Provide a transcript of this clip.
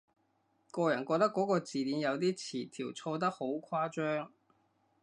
個人覺得嗰個字典有啲詞條錯得好誇張